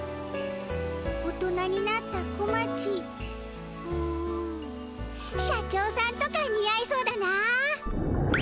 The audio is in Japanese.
大人になった小町うん社長さんとかにあいそうだな。